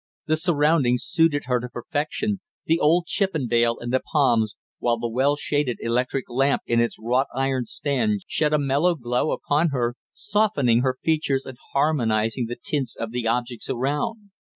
The surroundings suited her to perfection the old Chippendale and the palms, while the well shaded electric lamp in its wrought iron stand shed a mellow glow upon her, softening her features and harmonising the tints of the objects around.